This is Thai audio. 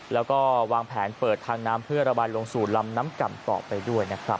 แล้วก็วางแผนเปิดทางน้ำเพื่อระบายลงสู่ลำน้ำก่ำต่อไปด้วยนะครับ